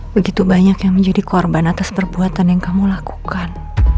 begitu banyak yang menjadi korban atas perbuatan yang kamu lakukan